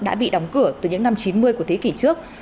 đã bị đóng cửa từ những năm chín mươi của thế kỷ trước